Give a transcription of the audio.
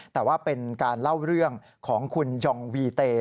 แต่ว่าเป็นการเล่าเรื่องของคุณยองวีเต